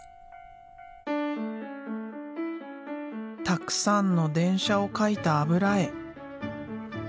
たくさんの電車を描いた油絵。